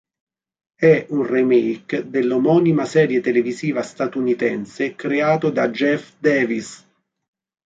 È un remake dell'omonima serie televisiva statunitense creato da Jeff Davis.